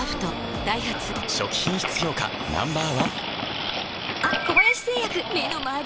ダイハツ初期品質評価Ｎｏ．１